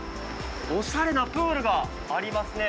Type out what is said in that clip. おしゃれなプールがありますね。